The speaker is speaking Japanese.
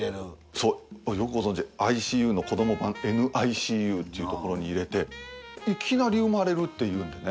そうよくご存じでＩＣＵの子ども版ＮＩＣＵっていうところに入れていきなり生まれるっていうんでね